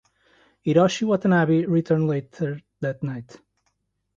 Hiroshi Watanabe returned later that night.